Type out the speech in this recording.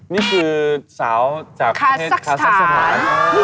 นี่คือสาวจากประเทศคาซักสถาน